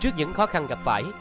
trước những khó khăn gặp phải